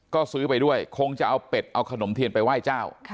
ก็ซื้อไปด้วยคงจะเอาเป็ดเอาขนมเทียนไปไหว้เจ้า